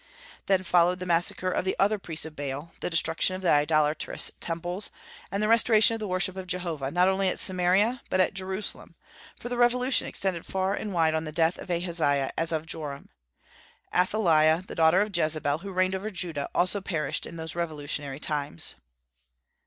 Then followed the massacre of the other priests of Baal, the destruction of the idolatrous temples, and the restoration of the worship of Jehovah, not only at Samaria, but at Jerusalem, for the revolution extended far and wide on the death of Ahaziah as of Joram. Athaliah, the daughter of Jezebel, who reigned over Judah, also perished in those revolutionary times.